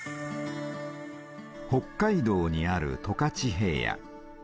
北海道にある十勝平野。